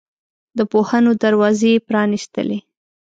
د پوهنو دروازې یې پرانستلې.